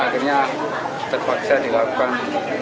akhirnya terpaksa dilakukan